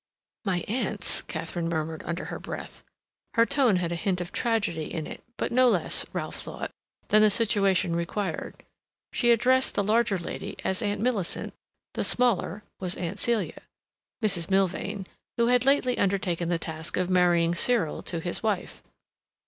"My aunts!" Katharine murmured, under her breath. Her tone had a hint of tragedy in it, but no less, Ralph thought, than the situation required. She addressed the larger lady as Aunt Millicent; the smaller was Aunt Celia, Mrs. Milvain, who had lately undertaken the task of marrying Cyril to his wife.